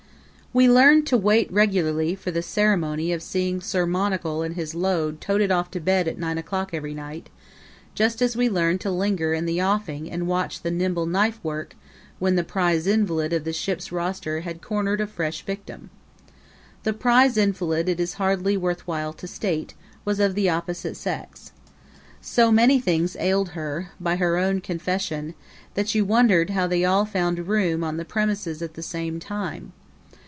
We learned to wait regularly for the ceremony of seeing Sir Monocle and his load toted off to bed at nine o'clock every night, just as we learned to linger in the offing and watch the nimble knife work when the prize invalid of the ship's roster had cornered a fresh victim. The prize invalid, it is hardly worth while to state, was of the opposite sex. So many things ailed her by her own confession that you wondered how they all found room on the premises at the same time.